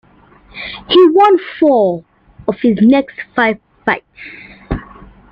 He won four of his next five fights.